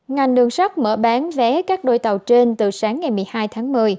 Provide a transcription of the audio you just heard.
ngành đường sắt mở bán vé các đôi tàu trên từ sáng ngày một mươi hai tháng một mươi